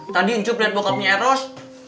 tadi ncuplen bokapnya eros